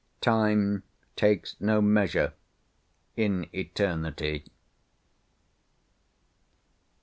Time takes no measure in Eternity.